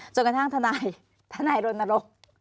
จนกระทั่งทนายทนายรนต์นรก